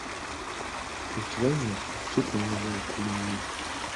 Ekibanyi ekyo kitunula waggulu nnyo.